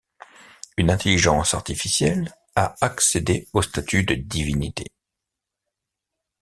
Une intelligence artificielle a accédé au statut de divinité.